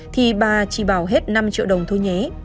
thì bà chỉ bảo hết năm triệu đồng thôi nhé